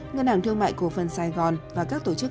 ngân hàng thương mại cổ phần sài gòn và các tổ chức